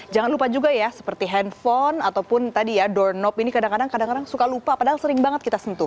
jangan lupa juga ya seperti handphone ataupun tadi ya door nop ini kadang kadang suka lupa padahal sering banget kita sentuh